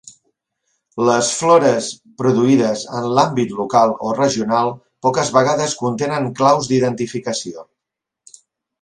Les flores produïdes en l'àmbit local o regional poques vegades contenen claus d'identificació.